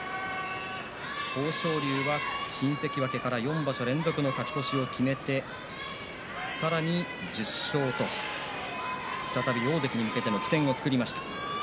豊昇龍は新関脇から４場所連続の勝ち越しを決めてさらに１０勝と再び大関に向けての起点を作りました。